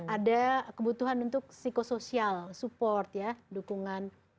ada kebutuhan untuk psikosoial support ya dukungan